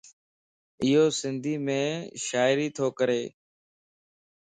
ايو سنڌيءَ مَ شاعري تو ڪري.